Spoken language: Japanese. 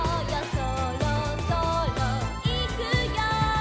「そろそろいくよ」